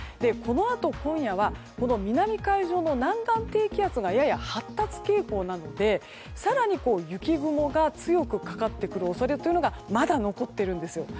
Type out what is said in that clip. このあと今夜は南海上の南岸低気圧がやや発達傾向なので更に雪雲が強くかかってくる恐れがまだ残っているんです。